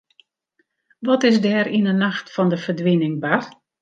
Wat is der yn 'e nacht fan de ferdwining bard?